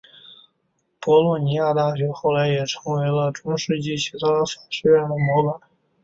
博洛尼亚大学后来也成为了中世纪欧洲其他法学院的模板。